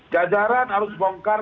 jajaran harus bongkar